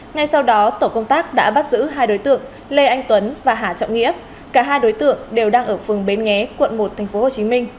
ngay sau đó tổ công tác đã bắt giữ hai đối tượng lê anh tuấn và hà trọng nghĩa cả hai đối tượng đều đang ở phường bến nghé quận một tp hcm